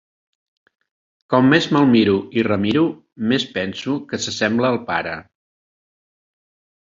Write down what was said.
Com més me'l miro i remiro més penso que s'assembla al pare.